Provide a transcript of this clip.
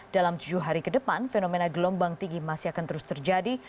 dalam tujuh hari ke depan fenomena gelombang tinggi masih akan terus terjadi